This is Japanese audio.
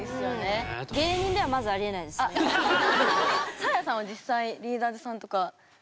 サーヤさんは実際リーダーズさんとか。